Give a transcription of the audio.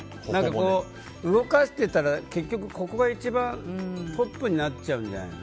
動かしてたら結局ここが一番トップになっちゃうんじゃないの。